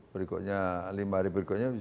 berikutnya lima hari berikutnya